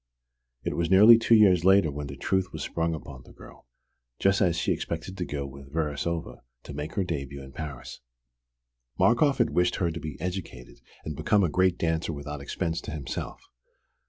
It was nearly two years later when the truth was sprung upon the girl, just as she expected to go with Verasova to make her début in Paris. Markoff had wished her to be educated and become a great dancer without expense to himself.